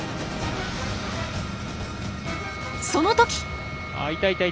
その時！